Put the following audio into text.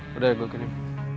sudah saya kirim